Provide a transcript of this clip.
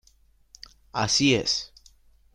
Así es.